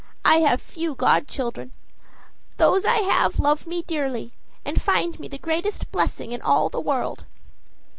I have few godchildren; those I have love me dearly, and find me the greatest blessing in all the world."